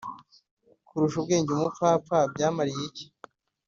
Kurusha ubwenge umupfapfa byamariye iki